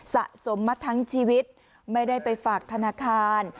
สะสมมาทั้งชีวิตไม่ได้ไปฝากธนาคาร